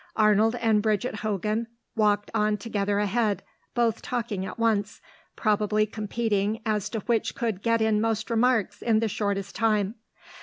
Arnold and Bridget Hogan walked on together ahead, both talking at once, probably competing as to which could get in most remarks in the shortest time.